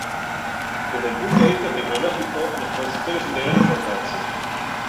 Desde el punto de vista tecnológico, los transitorios son de gran importancia.